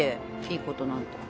いいことなんて。